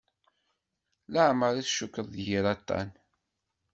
Leɛmer i t-cukkeɣ d yir aṭṭan.